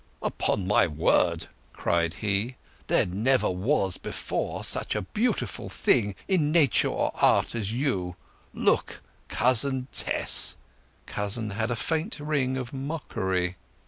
"Upon my honour!" cried he, "there was never before such a beautiful thing in Nature or Art as you look, 'Cousin' Tess ('Cousin' had a faint ring of mockery).